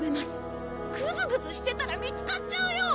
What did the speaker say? グズグズしてたら見つかっちゃうよ！